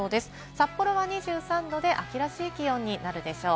札幌は秋らしい気温になるでしょう。